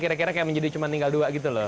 kira kira kayak menjadi cuma tinggal dua gitu loh